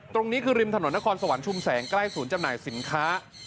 ตรงนี้คือริมถนนนครสวรรชุมแสงใกล้ศูนย์จำหน่ายสินค้า